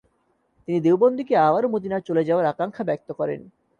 তিনি দেওবন্দিকে আবারাে মদিনার চলে যাওয়ার আকাঙ্খা ব্যক্ত করেন।